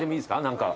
何か。